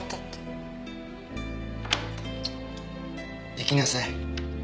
行きなさい。